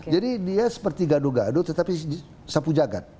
jadi dia seperti gaduh gaduh tetapi sapu jagat